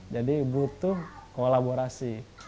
jadi butuh kolaborasi